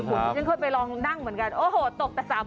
ก็เคยไปลองนั่งเหมือนกันโอ้โหตกแต่๓วิแรก